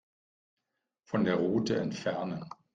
Von der Route entfernen.